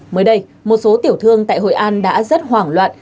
mới đây một số tiểu thương tại hội an đã rất hoảng loạn